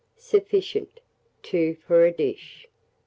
Sufficient, 2 for a dish.